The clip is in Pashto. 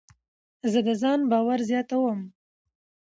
زه د ځان باور زیاتوم.